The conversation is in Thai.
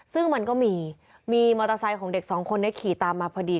ซึ่งมันก็มีมีมอเตอร์ไซค์ของเด็กสองคนนี้ขี่ตามมาพอดี